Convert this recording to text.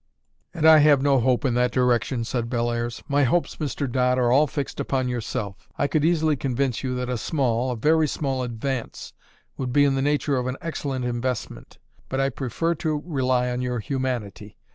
"And I have no hope in that direction," said Bellairs. "My hopes, Mr. Dodd, are all fixed upon yourself. I could easily convince you that a small, a very small advance, would be in the nature of an excellent investment; but I prefer to rely on your humanity.